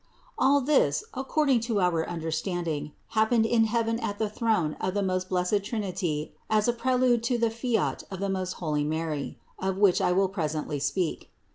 128. All this, according to our way of understanding, happened in heaven at the throne of the most blessed Trinity as a prelude to the fiat of the most holy Mary, of which I will presently speak.